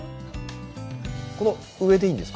この上でいいんですか？